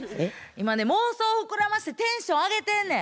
今ね妄想膨らましてテンション上げてんねん。